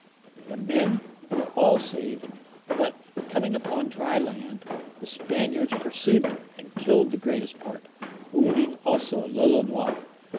The men were all saved, but coming upon dry land, the Spaniards pursued them, and killed the greatest part, wounding also Lolonois.